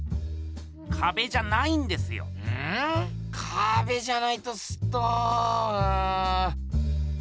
かべじゃないとすっとうん。